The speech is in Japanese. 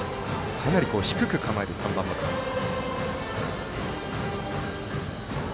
かなり低く構える３番バッターです。